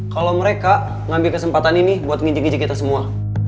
kalau mereka mengambil kesempatan ini buat menginjak nginjak kita semua